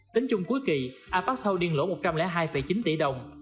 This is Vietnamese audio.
tính chung cuối kỳ apex holdings lỗ một trăm linh hai chín tỷ đồng